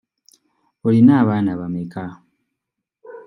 Olina abaana bameka?